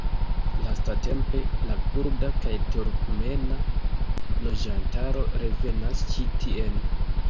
Lastatempe la kurda kaj turkmena loĝantaro revenas ĉi tien.